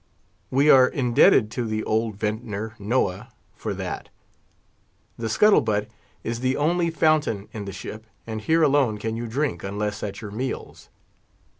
We are indebted to the old vintner Noah for that. The scuttle butt is the only fountain in the ship; and here alone can you drink, unless at your meals.